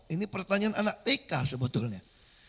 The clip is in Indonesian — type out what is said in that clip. ini pertanyaan anak tk sebetulnya